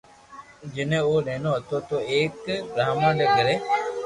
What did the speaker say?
جني او نينو ھتو تو او ايڪ برھامڻ ري گھري